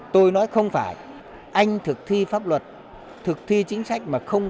tôi nói không phải anh thực thi pháp luật thực thi chính sách mà không